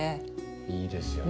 いいですよね。